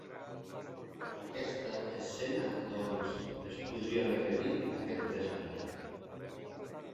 Aquesta escena doncs, es podria repetir aquest vespre.